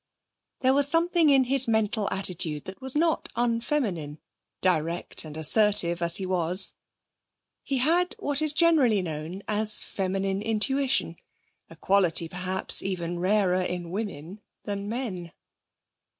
There was something in his mental attitude that was not unfeminine, direct and assertive as he was. He had what is generally known as feminine intuition, a quality perhaps even rarer in women than in men.